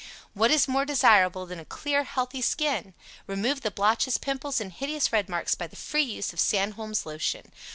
WHAT IS MORE DESIRABLE THAN A CLEAR, HEALTHY SKIN? Remove the blotches, Pimples and hideous red marks by the free use of SANDHOLM'S LOTION.